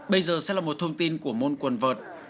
bây giờ sẽ là một thông tin của môn quần vợt